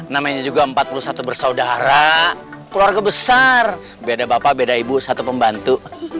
namanya juga empat puluh satu bersaudara keluarga besar beda bapak beda ibu satu pembantu